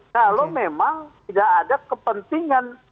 kalau memang tidak ada kepentingan